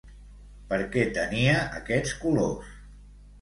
Per què tenia aquests colors?